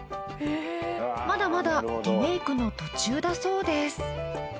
まだまだリメイクの途中だそうです。